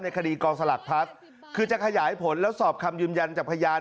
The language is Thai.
คดีกองสลักพลัสคือจะขยายผลแล้วสอบคำยืนยันจากพยาน